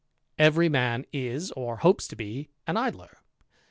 Every man is, or hopes to be, an Idler.